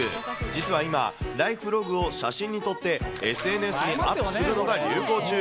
実は今、ライフログを写真に撮ってＳＮＳにアップするのが流行中。